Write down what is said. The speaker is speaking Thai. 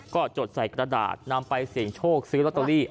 ก็จดใส่กระดาษนำไปเสี่ยงโชคซื้อลอตเตอรี่